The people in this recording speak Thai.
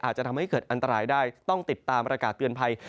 อาจจะทำให้เกิดอันตรายได้ต้องติดตามประกาศเตือนภัย